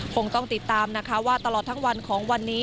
คงต้องติดตามนะคะว่าตลอดทั้งวันของวันนี้